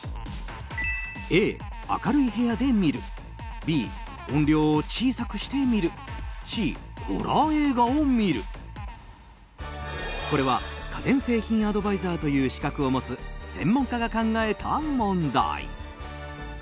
Ａ、明るい部屋で見るＢ、音量を小さくして見るＣ、ホラー映画を見るこれは家電製品アドバイザーという資格を持つ専門家が考えた問題。